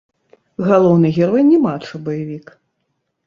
Галоўны герой не мача-баявік.